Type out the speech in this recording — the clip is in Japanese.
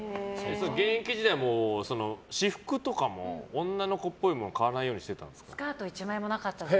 現役時代も私服とかも女の子っぽいものは買わないようにしてたんですか？